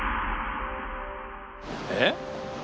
えっ？